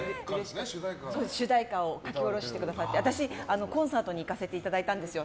主題歌を書き下ろしてくださって私、コンサートに行かせていただいたんです。